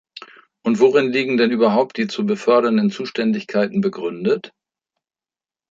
Und worin liegen denn überhaupt die zu befördernden Zuständigkeiten begründet?